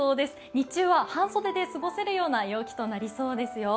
日中は半袖で過ごせるような陽気となりそうですよ。